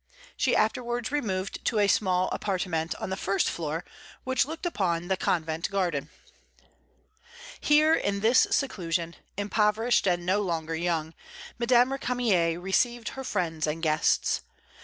She afterwards removed to a small appartement on the first floor, which looked upon the convent garden. Here, in this seclusion, impoverished, and no longer young, Madame Récamier received her friends and guests.